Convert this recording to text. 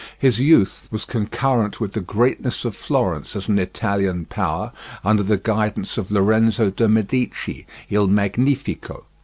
His youth was concurrent with the greatness of Florence as an Italian power under the guidance of Lorenzo de' Medici, Il Magnifico.